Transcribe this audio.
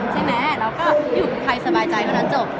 ใช่มั้ยแล้วก็อยู่กับใครสบายใจเมื่อนั้นจบ